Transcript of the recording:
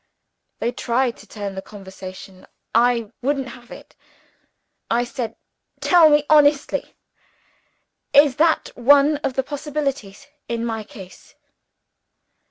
They tried to turn the conversation. I wouldn't have it. I said, 'Tell me honestly, is that one of the possibilities, in my case?'